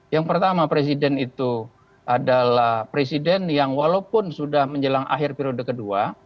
yang pertama presiden itu adalah presiden yang walaupun sudah menjelang akhir periode kedua